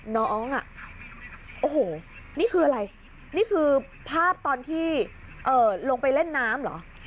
น้องอ่ะโอ้โหนี่คืออะไรนี่คือภาพตอนที่ลงไปเล่นน้ำเหรอ